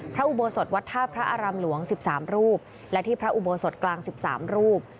อุโบสถวัดท่าพระอารามหลวง๑๓รูปและที่พระอุโบสถกลาง๑๓รูป